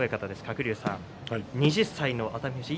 鶴竜さん２０歳の熱海富士